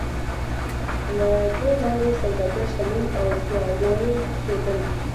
له دې لارې سوداګر شتمن او پیاوړي کېدل.